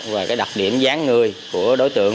và đặc điểm gián người của đối tượng